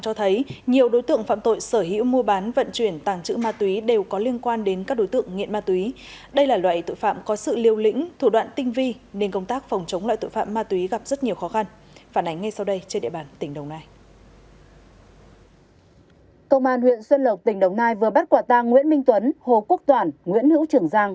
công an huyện xuân lộc tỉnh đồng nai vừa bắt quả tang nguyễn minh tuấn hồ quốc toản nguyễn hữu trường giang